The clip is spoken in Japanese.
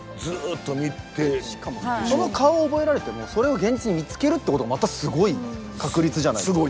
その顔を覚えられてもそれを現実に見つけるってことがまたすごい確率じゃないですか。